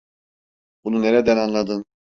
Bunu nereden anladın?